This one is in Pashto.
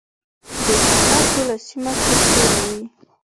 د هغه ټوله سیمه کې سوله وي .